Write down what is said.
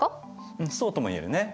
うんそうとも言えるね。